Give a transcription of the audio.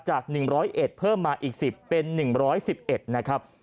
จาก๑๐๑เพิ่มมาอีก๑๐เป็น๑๑๑นะครับ